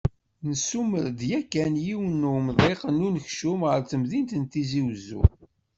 nesumer-d yakan yiwen n umḍiq n unekcum ɣar temdint n Tizi Uzzu.